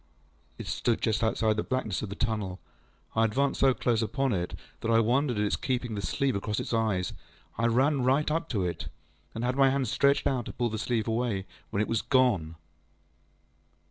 ŌĆÖ It stood just outside the blackness of the tunnel. I advanced so close upon it that I wondered at its keeping the sleeve across its eyes. I ran right up at it, and had my hand stretched out to pull the sleeve away, when it was gone.